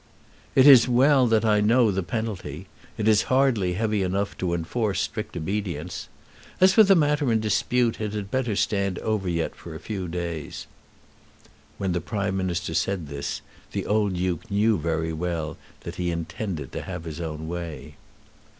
"It is well that I know the penalty. It is hardly heavy enough to enforce strict obedience. As for the matter in dispute, it had better stand over yet for a few days." When the Prime Minister said this the old Duke knew very well that he intended to have his own way.